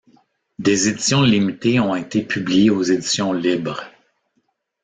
Des éditions limitées ont été publiées aux Éditions Libres.